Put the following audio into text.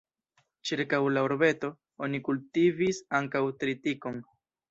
Ĉirkaŭ la urbeto oni kultivis ankaŭ tritikon.